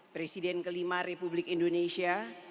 presiden kelima republik indonesia